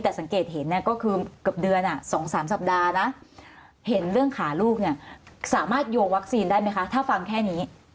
แต่สังเกตเห็นเนี่ยก็คือเกือบเดือน๒๓สัปดาห์นะเห็นเรื่องขาลูกเนี่ยสามารถโยงวัคซีนได้ไหมคะถ้าฟังแค่นี้